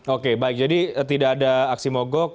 oke baik jadi tidak ada aksi mogok